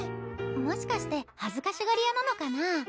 もしかしてはずかしがり屋なのかな？